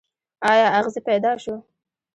ایا اغزی پیدا شو.